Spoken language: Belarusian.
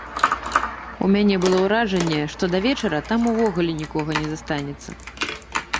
У мяне было ўражанне, што да вечара там ўвогуле нікога не застанецца.